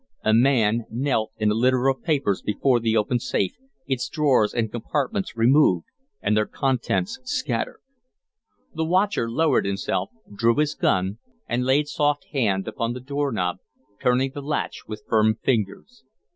A man knelt in a litter of papers before the open safe, its drawers and compartments removed and their contents scattered. The watcher lowered himself, drew his gun, and laid soft hand upon the door knob, turning the latch with firm fingers.